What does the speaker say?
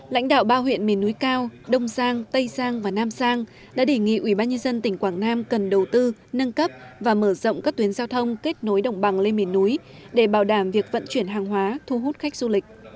lãnh đạo ba huyện miền núi cao đông giang tây giang và nam giang đã đề nghị ubnd tỉnh quảng nam cần đầu tư nâng cấp và mở rộng các tuyến giao thông kết nối đồng bằng lên miền núi để bảo đảm việc vận chuyển hàng hóa thu hút khách du lịch